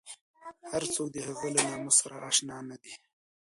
هر څوک د هغې له نامه سره اشنا نه دي.